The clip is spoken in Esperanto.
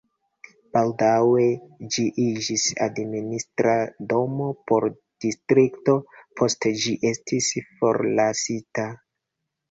Baldaŭe ĝi iĝis administra domo por distrikto, poste ĝi estis forlasita.